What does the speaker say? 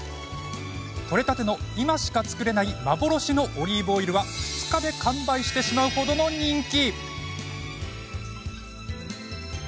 取れたての今しか作れない幻のオリーブオイルは２日で完売してしまうほどの人気。